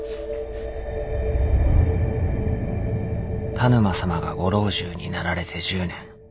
田沼様がご老中になられて１０年。